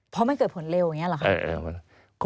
เพราะมันเกิดผลเร็วอย่างนี้หรอครับ